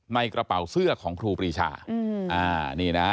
ในกระเป๋าเสื้อของครูปรีชานี่นะฮะ